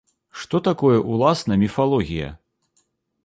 Што такое ўласна міфалогія?